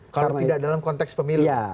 kalau tidak dalam konteks pemilu